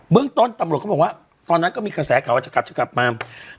เรื่องต้นตำรวจเขาบอกว่าตอนนั้นก็มีกระแสข่าวว่าจะกลับจะกลับมา